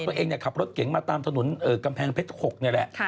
ตัวเองขับรถเก๋งมาตามถนนกำแพงเพชร๖นี่แหละ